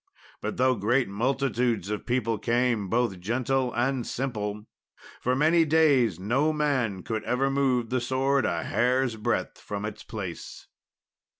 But though great multitudes of people came, both gentle and simple, for many days, no man could ever move the sword a hair's breadth from its place.